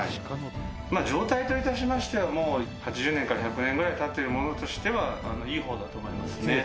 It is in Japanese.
「状態と致しましてはもう８０年から１００年ぐらい経ってるものとしてはいい方だと思いますね」